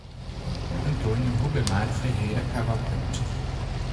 Antônio Rubemar Ferreira Cavalcante